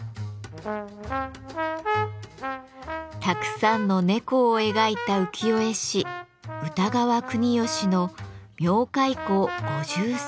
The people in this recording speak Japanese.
たくさんの猫を描いた浮世絵師歌川国芳の「猫飼好五拾三疋」。